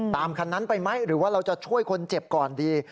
คันนั้นไปไหมหรือว่าเราจะช่วยคนเจ็บก่อนดี